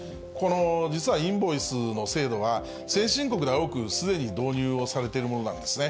実はインボイスの制度は、先進国ではすでに導入をされてるものなんですね。